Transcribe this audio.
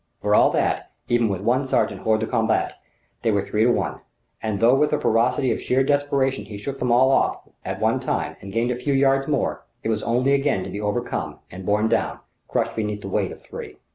For all that even with one sergent hors de combat they were three to one; and though with the ferocity of sheer desperation he shook them all off, at one time, and gained a few yards more, it was only again to be overcome and borne down, crushed beneath the weight of three.